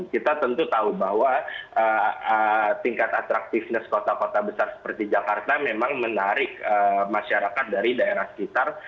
kita tentu tahu bahwa tingkat atraktivisness kota kota besar seperti jakarta memang menarik masyarakat dari daerah sekitar